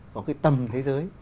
có cái tầm thế giới